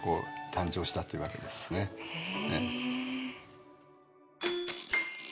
へえ。